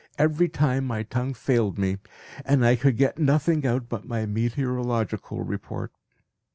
every time my tongue failed me and I could get nothing out but my meteorological report.